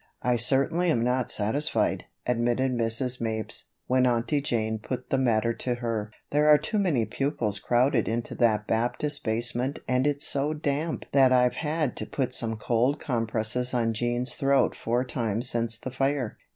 "I certainly am not satisfied," admitted Mrs. Mapes, when Aunty Jane put the matter to her. "There are too many pupils crowded into that Baptist basement and it's so damp that I've had to put cold compresses on Jean's throat four times since the fire.